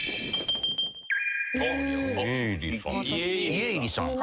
家入さん。